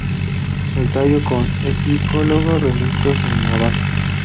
El tallo con pecíolos relictos en la base.